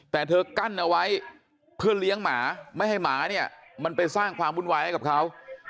แต่เธอกั้นเอาไว้เพื่อเลี้ยงหมาไม่ให้หมาเนี่ยมันไปสร้างความวุ่นวายให้กับเขา